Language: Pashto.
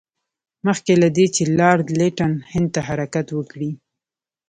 مخکې له دې چې لارډ لیټن هند ته حرکت وکړي.